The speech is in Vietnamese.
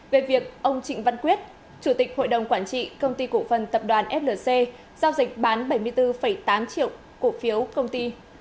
về việc ông trịnh văn quyết chủ tịch hội đồng quản trị công ty cổ phần tập đoàn flc giao dịch bán bảy mươi bốn tám triệu cổ phiếu công ty